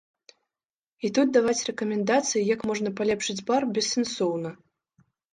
І тут даваць рэкамендацыі, як можна палепшыць бар, бессэнсоўна.